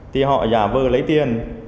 thì họ giả vờ lấy tiền